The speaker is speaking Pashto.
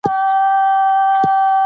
د مطالعې عادت يې د ځوانۍ برخه وه.